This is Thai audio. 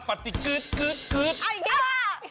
อัปติกึ๊ดกึ๊ดกึ๊ด